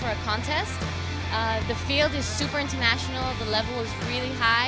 pada lapangan ini sangat internasional levelnya sangat tinggi